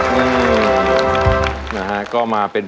เพลงที่๖ของน้องข้าวหอมมาครับ